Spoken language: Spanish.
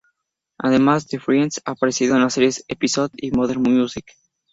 Además de "Friends", ha aparecido en las series "Episodes" y "Modern Music".